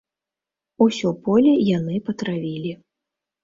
Усё поле яны патравілі.